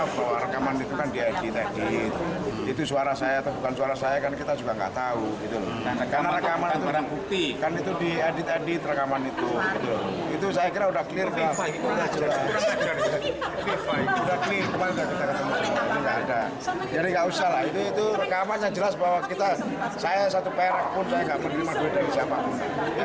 jadi tidak usah lah itu rekaman yang jelas bahwa saya satu perak pun saya tidak menerima duit dari siapapun